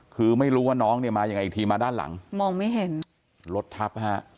คือไม่รู้ว่าน้องเนี่ยมายังไงอีกทีมาด้านหลังมองไม่เห็นรถทับฮะ